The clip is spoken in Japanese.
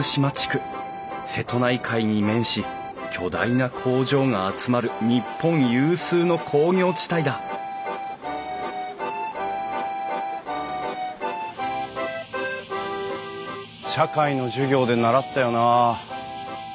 瀬戸内海に面し巨大な工場が集まる日本有数の工業地帯だ社会の授業で習ったよなあ。